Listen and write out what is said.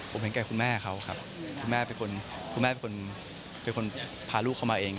ผมเห็นแค่คุณแม่ของเขาคุณแม่เป็นคน